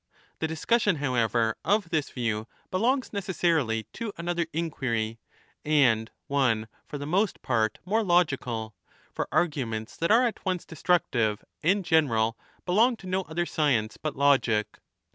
The discussion, however, of this view belongs necessarily to another inquiry and one for the most part more logical, for arguments that are at once destructive and general belong to no other science but logic.